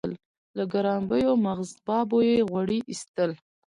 له ګرانبیو مغزبابو یې غوړي اېستل.